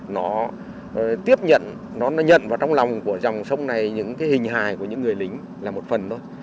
nó tiếp nhận nó nhận vào trong lòng của dòng sông này những cái hình hài của những người lính là một phần thôi